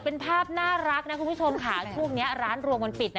เป็นภาพน่ารักนะคุณผู้ชมค่ะช่วงนี้ร้านรวงมันปิดนะ